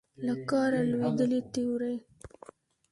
له کاره لوېدلې تیورۍ